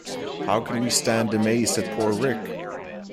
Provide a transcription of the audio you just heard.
How can we stand amazed at poor Rick?